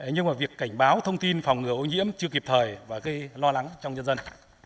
nhưng mà việc cảnh báo thông tin phòng ngừa ô nhiễm chưa kịp thời và gây lo lắng trong dân dân